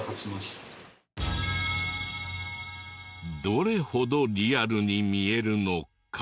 どれほどリアルに見えるのか？